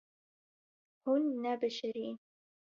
Hûn nebişirîn.